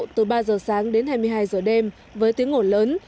từ ba giờ sáng đến hai mươi hai giờ đêm với tiếng ngổn lớn